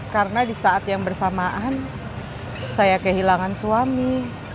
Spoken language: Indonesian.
karena di saat yang bersamaan saya kehilangan suami